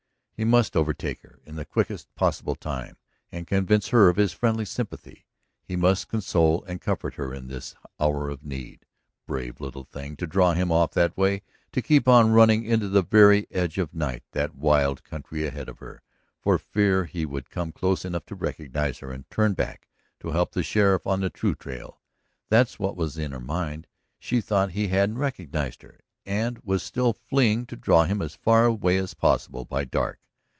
He must overtake her in the quickest possible time, and convince her of his friendly sympathy; he must console and comfort her in this hour of her need. Brave little thing, to draw him off that way, to keep on running into the very edge of night, that wild country ahead of her, for fear he would come close enough to recognize her and turn back to help the sheriff on the true trail. That's what was in her mind; she thought he hadn't recognized her, and was still fleeing to draw him as far away as possible by dark.